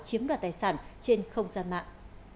chiếm đoạt tài sản trên không gian mạng